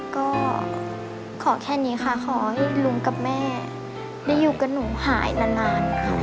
ก็ขอแค่นี้ค่ะขอให้ลุงกับแม่ได้อยู่กับหนูหายนานค่ะ